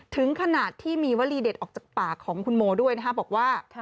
ถึงขนาดที่มีวลีเด็ดออกจากปากของคุณโมด้วยนะครับบอกว่า